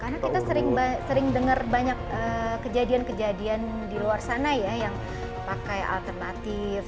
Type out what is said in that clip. karena kita sering dengar banyak kejadian kejadian di luar sana ya yang pakai alternatif